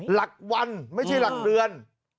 หลักวันไม่ใช่หลักเดือน